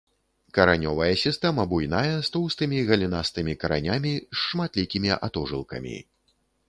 Каранёвая сістэма буйная з тоўстымі галінастымі каранямі з шматлікімі атожылкамі.